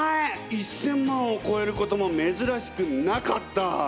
１，０００万を超えることも珍しくなかった！